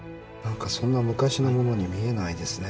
そんな昔のものに見えないですね。